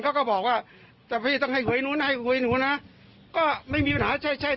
เขาก็บอกว่าแต่พี่ต้องให้หวยนู้นให้หวยหนูนะก็ไม่มีปัญหาใช่ใช่